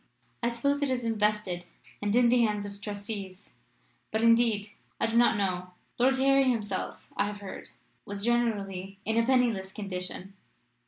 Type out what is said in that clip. "I suppose it is invested and in the hands of trustees. But, indeed, I do not know. Lord Harry himself, I have heard, was generally in a penniless condition.